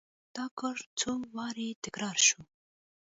دا کار څو وارې تکرار شو.